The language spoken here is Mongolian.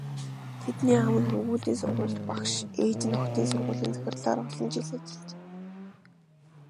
Тэдний аав нь хөвгүүдийн сургуульд багш, ээж нь охидын сургуулийн захирлаар олон жил ажиллажээ.